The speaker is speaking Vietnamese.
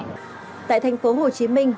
hồ chí minh hồ chí minh hồ chí minh hồ chí minh